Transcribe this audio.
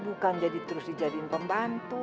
bukan jadi terus dijadiin pembantu